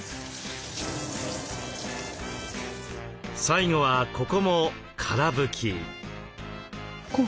最後はここもから拭き。